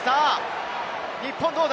日本どうだ。